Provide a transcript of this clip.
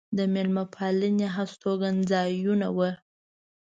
د مېلمه پالنې هستوګن ځایونه و.